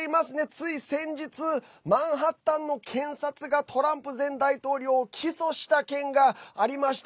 つい先日、マンハッタンの検察がトランプ前大統領を起訴した件がありました。